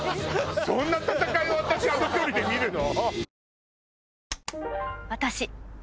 そんな戦いを私あの距離で見るの？